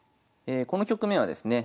この局面はですね